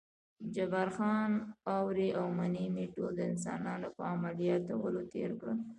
جبار خان: اوړی او منی مې ټول د انسانانو په عملیاتولو تېر کړل.